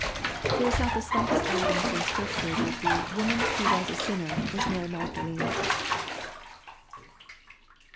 There is not the slightest evidence in Scripture that the " woman who was a sinner" was Mary Magdalene.